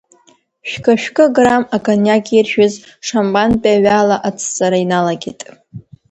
Шәкы-шәкы грамм акониак иржәыз, шампантәи аҩы ала ацҵара иналагеит.